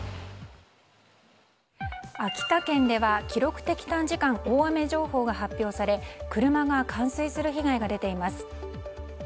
秋田県では記録的短時間大雨情報が発表され車が冠水する被害が出ています。